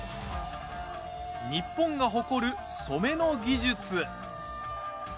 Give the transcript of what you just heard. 日本が誇る染めの技術。